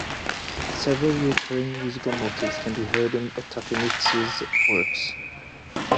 Several recurring musical motives can be heard in Takemitsu's works.